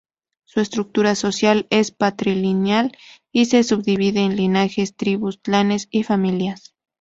Su estructura social es patrilineal y se subdivide en linajes, tribus, clanes y familias.